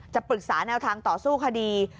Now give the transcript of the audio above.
ปรึกษาแนวทางต่อสู้คดี